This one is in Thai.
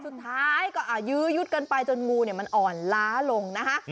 สุดท้ายก็ยืดกันไปจนงูมันอ่อนล้าลงนะฮะ